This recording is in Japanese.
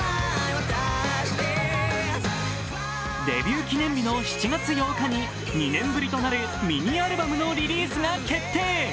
デビュー記念日の７月８日に２年ぶりとなるミニアルバムのリリースが決定。